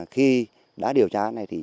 khi đã điều tra này